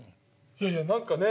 いやいや何かね